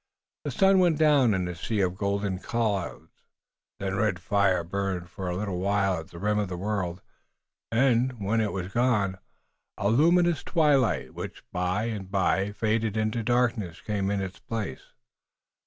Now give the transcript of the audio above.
The sun went down in a sea of golden clouds, then red fire burned for a little while at the rim of the world, and, when it was gone, a luminous twilight, which by and by faded into darkness, came in its place.